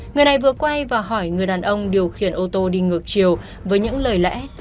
người này vừa quay và hỏi người đàn ông điều khiển ô tô đi ngược chiều với những lời lẽ